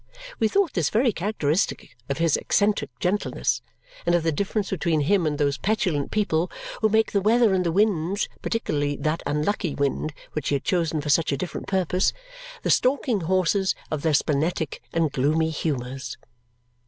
We thought this very characteristic of his eccentric gentleness and of the difference between him and those petulant people who make the weather and the winds (particularly that unlucky wind which he had chosen for such a different purpose) the stalking horses of their splenetic and gloomy humours.